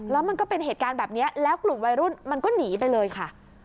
แล้วมันก็เป็นเหตุการณ์แบบนี้แล้วกลุ่มวัยรุ่นมันก็หนีไปเลยค่ะ